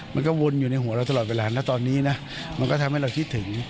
วนอยู่ในหัวเราตลอดเวลานะตอนนี้นะมันก็ทำให้เราคิดถึง